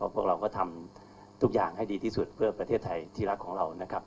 พวกเราก็ทำทุกอย่างให้ดีที่สุดเพื่อประเทศไทยที่รักของเรานะครับ